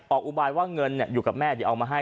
ออกอุบายว่าเงินเนี่ยอยู่กับแม่เอามาให้